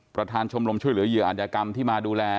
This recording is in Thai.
ประธานชมรมช่วยเหลือเหยื่ออัธยกรรมที่มาดูแล